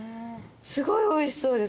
すごいおいしそうです。